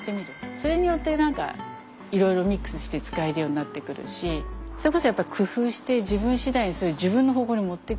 それによってなんかいろいろミックスして使えるようになってくるしそれこそ工夫して自分次第にそれを自分の方向に持ってくる。